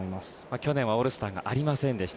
去年はオールスターがありませんでした。